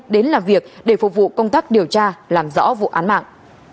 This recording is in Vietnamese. đến làm việc để phục vụ công tác điều tra làm rõ vụ án mạng